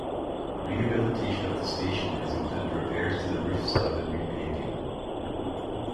Rehabilitation of the station has included repairs to the roof slab and repaving.